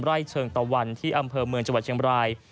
เชิงตะวันที่อำเภอเมืองจังหวัดเชียงบราย